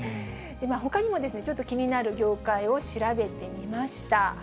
ほかにも、ちょっと気になる業界を調べてみました。